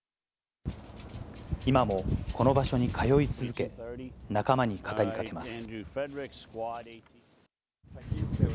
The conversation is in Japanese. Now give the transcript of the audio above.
今もこの場所に通い続け、仲間に語りかけます。